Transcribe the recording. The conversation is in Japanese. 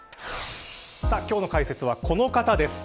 今日の解説はこの方です。